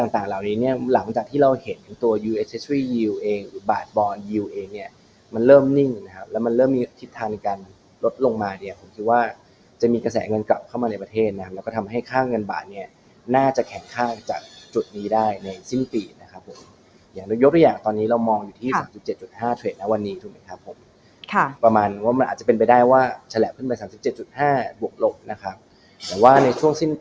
ถ้ามีทิศทางในการลดลงมาเนี่ยผมคิดว่าจะมีกระแสเงินกลับเข้ามาในประเทศนะครับแล้วก็ทำให้ค่าเงินบาทเนี่ยน่าจะแข็งข้างจากจุดนี้ได้ในสิ้นปีนะครับผมอย่างโดยยกตัวอย่างตอนนี้เรามองอยู่ที่๓๗๕เทรดนะวันนี้ถูกมั้ยครับผมค่ะประมาณว่ามันอาจจะเป็นไปได้ว่าแฉลบขึ้นไป๓๗๕บวกหลบนะครับแต่ว่าในช่วง